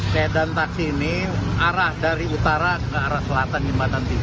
kedan taksi ini arah dari utara ke arah selatan jembatan tiga